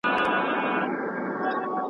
یوګا د بدن آرامتیا زیاتوي.